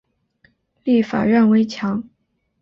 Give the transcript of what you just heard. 立法院围墙